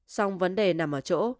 xong vấn đề nằm ở chỗ